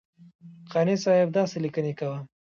قانع صاحب داسې لیکنې کوه.